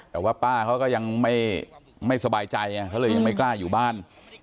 แต่ว่าป้าเขาก็ยังไม่สบายใจไงเขาเลยยังไม่กล้าอยู่บ้าน